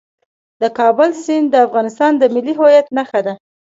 د کابل سیند د افغانستان د ملي هویت نښه ده.